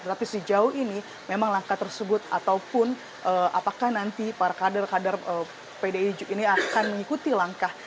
tetapi sejauh ini memang langkah tersebut ataupun apakah nanti para kader kader pdi ini akan mengikuti langkah